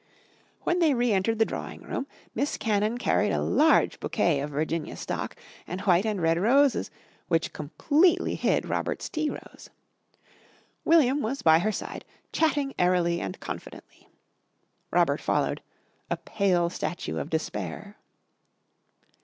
When they re entered the drawing room, Miss Cannon carried a large bouquet of Virginia Stock and white and red roses which completely hid Robert's tea rose. William was by her side, chatting airily and confidently. Robert followed a pale statue of despair.